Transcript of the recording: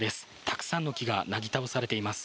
たくさんの木がなぎ倒されています。